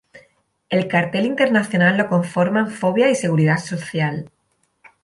El cartel internacional lo conforman Fobia y Seguridad Social.